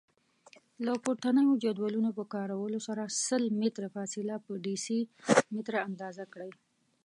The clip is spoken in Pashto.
له پورتنیو جدولونو په کارولو سره سل متره فاصله په ډیسي متره اندازه کړئ.